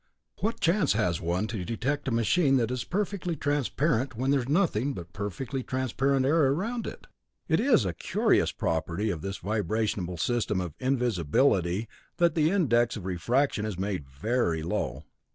What chance has one to detect a machine that is perfectly transparent when there is nothing but perfectly transparent air around it? It is a curious property of this vibrational system of invisibility that the index of refraction is made very low.